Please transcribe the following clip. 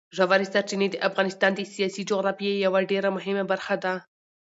ژورې سرچینې د افغانستان د سیاسي جغرافیې یوه ډېره مهمه برخه ده.